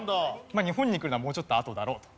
日本に来るのはもうちょっとあとだろうという。